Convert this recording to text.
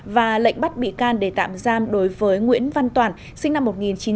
và lệnh bắt bị can để tạm giam đối với nguyễn văn toàn sinh năm một nghìn chín trăm tám mươi